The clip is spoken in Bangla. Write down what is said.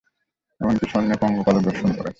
এমনকি স্বর্ণের পঙ্গপালও বর্ষণ করেন।